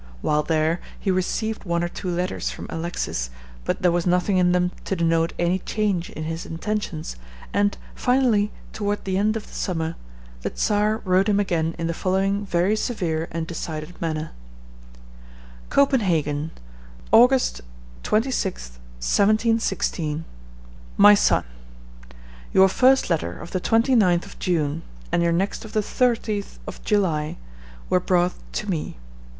While there he received one or two letters from Alexis, but there was nothing in them to denote any change in his intentions, and, finally, toward the end of the summer, the Czar wrote him again in the following very severe and decided manner: "Copenhagen, Aug. 26th, 1716. "MY SON, Your first letter of the 29th of June, and your next of the 30th of July, were brought to me.